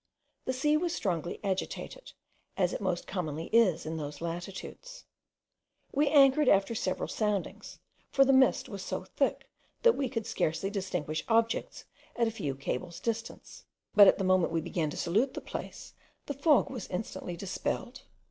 The sea was strongly agitated, as it most commonly is in those latitudes. We anchored after several soundings, for the mist was so thick, that we could scarcely distinguish objects at a few cables' distance; but at the moment we began to salute the place, the fog was instantly dispelled.